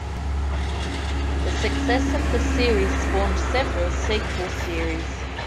The success of the series spawned several sequel series.